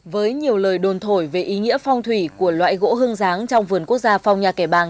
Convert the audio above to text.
với nhiều lời đồn thổi về ý nghĩa phong thủy của loại gỗ hương ráng trong vườn quốc gia phong nhà kẻ bàng